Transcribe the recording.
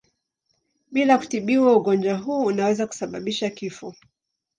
Bila kutibiwa ugonjwa huu unaweza kusababisha kifo.